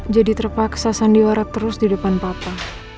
jadi terpaksa sandiwara terus di depan papa